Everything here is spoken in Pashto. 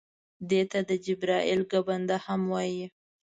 دې ته د جبرائیل ګنبده هم وایي.